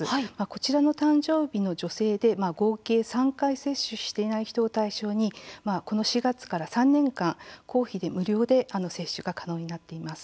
こちらの誕生日の女性で合計３回接種していない人を対象にこの４月から３年間公費で無料で接種が可能になっています。